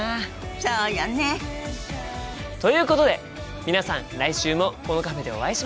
そうよね。ということで皆さん来週もこのカフェでお会いしましょう！